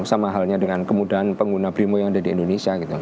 sama halnya dengan kemudahan pengguna brimo yang ada di indonesia